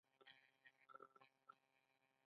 ایا امیدواره یاست؟